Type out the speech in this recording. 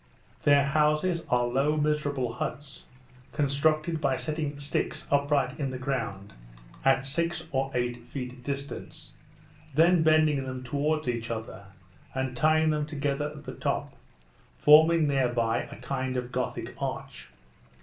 Their houses are low miserable huts, constructed by setting sticks upright in the ground, at six or eight feet distance, then bending them towards each other, and tying them together at the top, forming thereby a kind of Gothic arch.